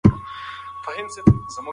موږ د شپې له خوب مخکې برس کوو.